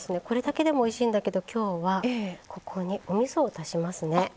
これだけでもおいしいんだけど今日はここにおみそを足しますね。